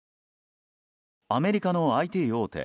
アメリカのＩＴ大手